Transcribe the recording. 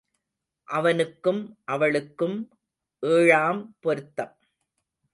அவனுக்கும் அவளுக்கும் ஏழாம் பொருத்தம்.